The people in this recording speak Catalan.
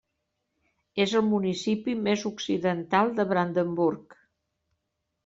És el municipi més occidental de Brandenburg.